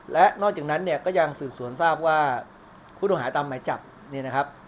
และนอกจากนั้นเนี่ยก็ยังสืบสวนทราบว่าผู้ต้องหาตามหมายจับเนี่ยนะครับ